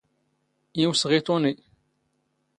ⵉⵡⵙⵖ ⵉ ⵜⵓⵏⵉ.